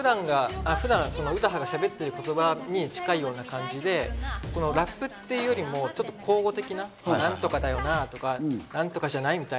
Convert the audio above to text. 普段、詩羽がしゃべってる言葉に近いような感じで、ラップっていうよりも、口語的な「何とかだよなぁ」とか、「何とかじゃない？」